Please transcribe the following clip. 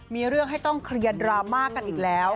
มีเรื่องให้ต้องเคลียร์ดราม่ากันอีกแล้ว